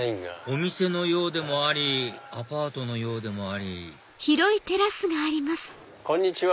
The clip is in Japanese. お店のようでもありアパートのようでもありこんにちは。